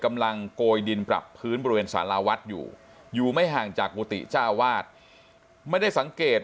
โกยดินปรับพื้นบริเวณสาราวัดอยู่อยู่ไม่ห่างจากกุฏิเจ้าวาดไม่ได้สังเกต